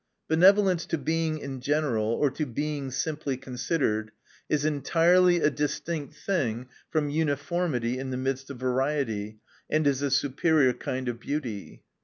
— Benevolence to Being in general, or to Being simply considered, is entirely a distinct thing from uniformity in the midst of variety, and is a superior kind of beauty.